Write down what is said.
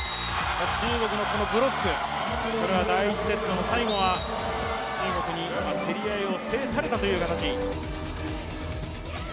中国のブロック、第１セットの最後は中国に競り合いを制されたという形。